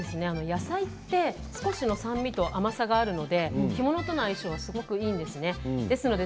野菜って少しの酸味と甘さがあるので干物との相性がすごくいいんですね。